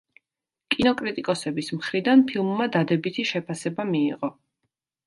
კინოკრიტიკოსების მხრიდან ფილმმა დადებითი შეფასება მიიღო.